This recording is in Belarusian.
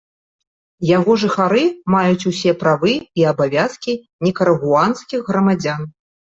Яго жыхары маюць усе правы і абавязкі нікарагуанскіх грамадзян.